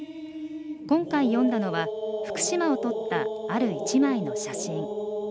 今回詠んだのは福島を撮った、ある１枚の写真。